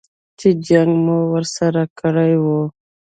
چې جنګ مو ورسره کړی و.